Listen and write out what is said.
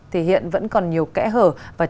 thì hiện vẫn còn nhiều kẽ hở và